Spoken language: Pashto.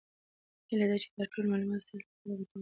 هیله ده چې دا ټول معلومات ستاسو لپاره ګټور تمام شي.